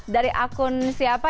dari akun siapa